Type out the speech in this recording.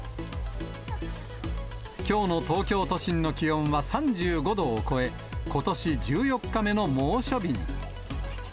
きょうの東京都心の気温は３５度を超え、ことし１４日目の猛暑日に。